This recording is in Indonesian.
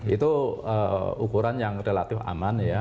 itu ukuran yang relatif aman ya